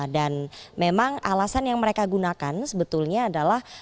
dan memang alasan yang mereka gunakan sebetulnya adalah